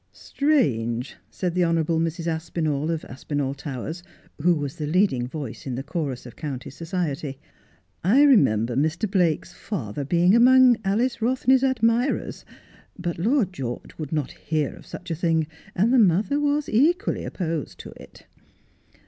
'Strange,' said the honourable Mrs. Aspinall, of Aspinall Towers, who was the leading voice in the chorus of county society. 'I remember Mr. Blake's father being among Alice Rothney's admirers, but Lord George would not hear of such a thing, and the mother was equally opposed to it.'